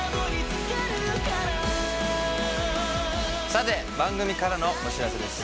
さて番組からのお知らせです。